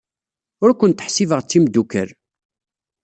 Ur kent-ḥsibeɣ d timeddukal.